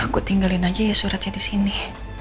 aku tinggalin aja ya suratnya di sini